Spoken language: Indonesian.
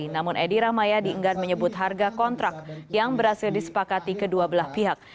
namun edi rahmayadi enggan menyebut harga kontrak yang berhasil disepakati kedua belah pihak